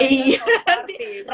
jadi parti tiba tiba